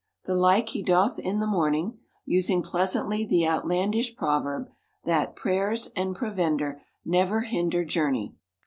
The like he doth in the morning : using pleasantly the outlandish proverb, that " Prayers and provender never hinder journey."